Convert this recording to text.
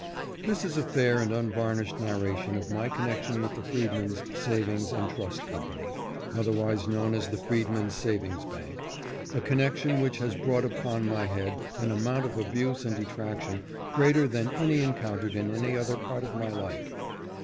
This is a fair and unvarnished narration of my con nection with the Freedmen's Savings and Trust Company, otherwise known as the Freedmen's Savings Bank, a con nection which has brought upon my head an amount of abuse and detraction greater than any encountered in any other part of my life.